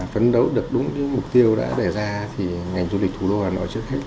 phấn đấu được đúng mục tiêu đã đề ra thì ngành du lịch thủ đô hà nội trước hết